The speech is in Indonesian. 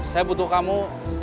saya butuh kamu